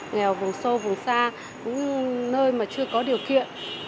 nghèo vùng sâu vùng xa những nơi mà chưa có điều kiện